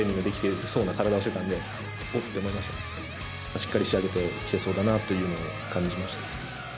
しっかり仕上げてきていそうだなと感じました。